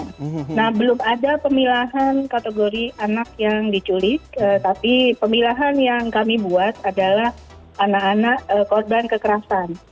nah belum ada pemilahan kategori anak yang diculik tapi pemilahan yang kami buat adalah anak anak korban kekerasan